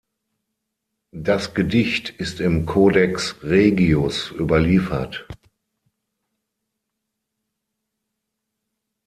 Das Gedicht ist im Codex Regius überliefert.